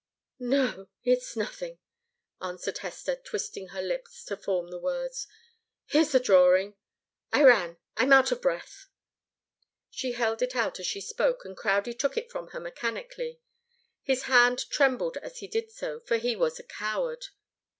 "No it's nothing," answered Hester, twisting her lips to form the words. "Here's the drawing. I ran I'm out of breath." She held it out as she spoke, and Crowdie took it from her mechanically. His hand trembled as he did so, for he was a coward.